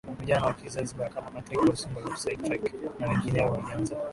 Vijana wakizanzibari Kama At Rico single off side trick na wengineo walianza